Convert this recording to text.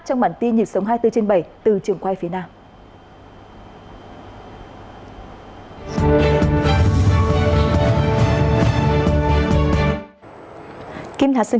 trong bản tin nhịp sống hai mươi bốn trên bảy từ trường quay phía nam